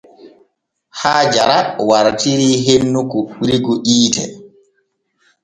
Aajara wartirii hennu kuɓɓirgu hiite.